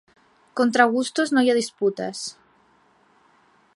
Contra gustos no hi ha disputes